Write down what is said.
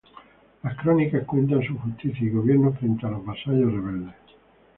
Las crónicas cuentan su justicia y gobierno frente a los vasallos rebeldes.